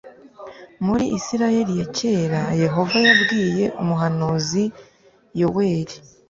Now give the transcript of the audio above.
Muri Isirayeli ya kera Yehova yabwiye umuhanuzi yoweli